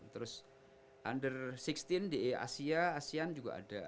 terus under enam belas di asia asean juga ada